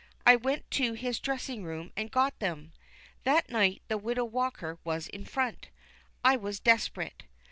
I went to his dressing room and got them. That night the Widow Walker was in front. I was desperate.